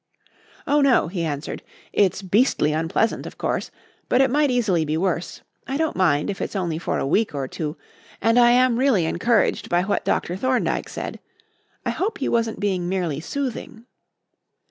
"Oh, no," he answered. "It's beastly unpleasant, of course, but it might easily be worse. I don't mind if it's only for a week or two; and I am really encouraged by what Dr. Thorndyke said. I hope he wasn't being merely soothing."